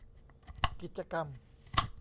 กิจกรรม